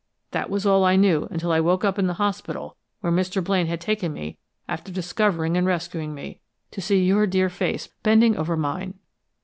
That was all I knew until I woke up in the hospital where Mr. Blaine had taken me after discovering and rescuing me, to see your dear face bending over mine!"